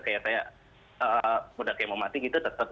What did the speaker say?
kayak saya udah kayak mau mati gitu tetap